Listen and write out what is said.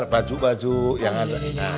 baju baju yang ada